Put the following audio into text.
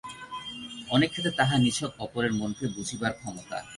অনেক ক্ষেত্রে তাহা নিছক অপরের মনকে বুঝিবার ক্ষমতা।